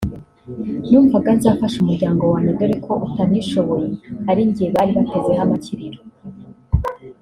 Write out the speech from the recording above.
numvaga nzafasha umuryango wanjye dore ko utanishoboye ari njye bari batezeho amakiriro